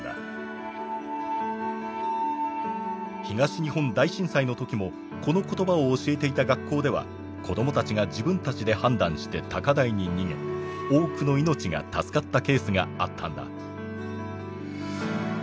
東日本大震災の時もこの言葉を教えていた学校では子どもたちが自分たちで判断して高台に逃げ多くの命が助かったケースがあったんだ。